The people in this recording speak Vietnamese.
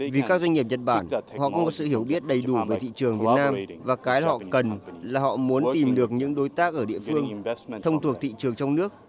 vì các doanh nghiệp nhật bản họ có một sự hiểu biết đầy đủ về thị trường việt nam và cái họ cần là họ muốn tìm được những đối tác ở địa phương thông thuộc thị trường trong nước